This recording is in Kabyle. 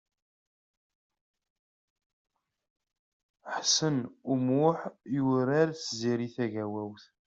Ḥsen U Muḥ yurar s Tiziri Tagawawt.